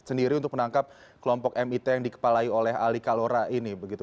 ya itu adalah keuntungan yang kita pelan pelan ya untuk menangkap kelompok mit yang dikepalai oleh alikalora ini begitu